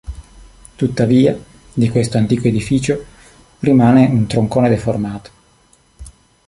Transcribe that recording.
Tuttavia, di questo antico edificio, rimane un troncone deformato.